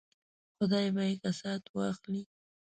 خدای به یې کسات واخلي.